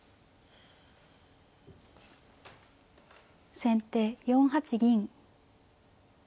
先手４八銀。